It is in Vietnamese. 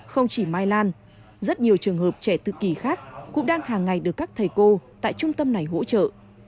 không chỉ mai lan rất nhiều trường hợp trẻ tự kỳ khác cũng đang hàng ngày được các thầy cô tại trung tâm này hỗ trợ